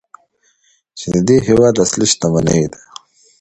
چې د دې هیواد اصلي شتمني ده.